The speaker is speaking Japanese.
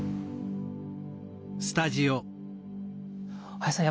林さん